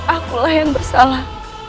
akulah yang bersalah